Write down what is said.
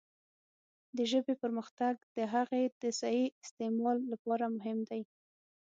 د ژبې پرمختګ د هغې د صحیح استعمال لپاره مهم دی.